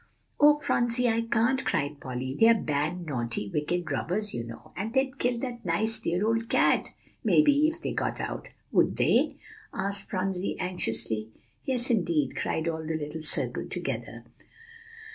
"Oh, Phronsie, I can't!" said Polly. "They are bad, naughty, wicked robbers, you know; and they'd kill that nice, dear old cat, maybe, if they got out." "Would they?" asked Phronsie anxiously. "Yes, indeed," cried all the little circle together.